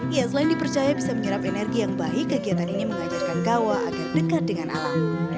ya selain dipercaya bisa menyerap energi yang baik kegiatan ini mengajarkan kawa agar dekat dengan alam